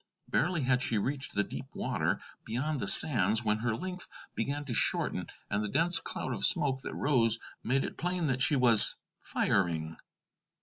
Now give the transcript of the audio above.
Barely had she reached the deep water beyond the sands when her length began to shorten, and the dense cloud of smoke that rose made it plain that she was firing.